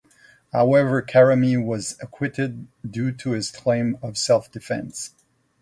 However, Karami was acquitted due to his claim of self-defense.